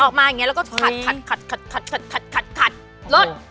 ออกมาอย่างนี้แล้วก็ขัดรถ